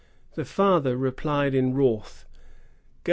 The father replied in wrath, " Go